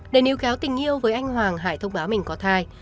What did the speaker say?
để níu gáo tình yêu với anh hoàng hải thông báo mình có thai